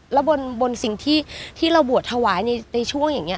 แล้วบนสิ่งที่เราบวชถวายในช่วงอย่างนี้